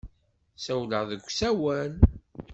Ssawleɣ deg usawal.